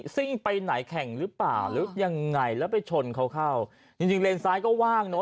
ซิ่งไปไหนแข่งหรือเปล่าหรือยังไงแล้วไปชนเขาเข้าจริงจริงเลนซ้ายก็ว่างเนอ